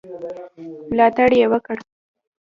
ملاتړ یې وکړ.